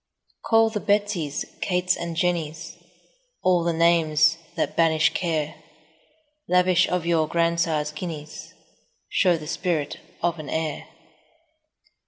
Call the Betsies, Kates, and Jennies, All the names that banish care; 10 Lavish of your grandsire's guineas, Show the spirit of an heir.